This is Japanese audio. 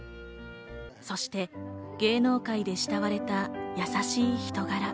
そして芸能界で慕われた優しい人柄。